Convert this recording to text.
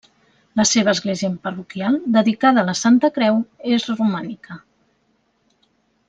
La seva església parroquial, dedicada a la Santa Creu és romànica.